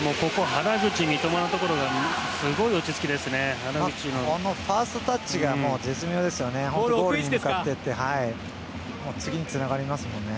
原口、三笘のところがすごい落ち着きですね。